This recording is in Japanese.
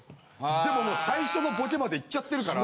でもね最初のボケまでいっちゃってるから。